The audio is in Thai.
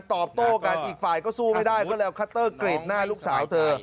ตอบโต้กันอีกฝ่ายก็สู้ไม่ได้ก็เลยเอาคัตเตอร์กรีดหน้าลูกสาวเธอ